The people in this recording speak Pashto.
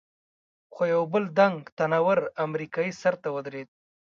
خو یو بل ډنګ، تن ور امریکایي سر ته ودرېد.